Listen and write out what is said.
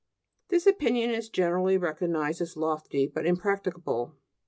This opinion is generally recognized as lofty, but impracticable.